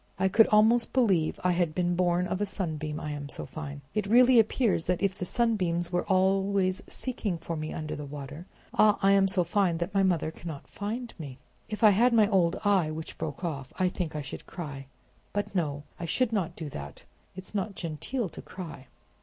"I could almost believe I had been born of a sunbeam, I'm so fine! It really appears as if the sunbeams were always seeking for me under the water. Ah! I'm so fine that my mother cannot find me. If I had my old eye, which broke off, I think I should cry; but, no, I should not do that: it's not genteel to cry."